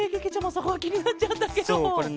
そこがきになっちゃったケロ。